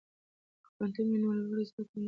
که پوهنتون وي نو لوړې زده کړې نه پاتیږي.